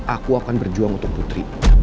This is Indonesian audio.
aku akan berjuang untuk putri